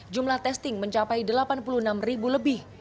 jumlah testing mencapai delapan puluh enam ribu lebih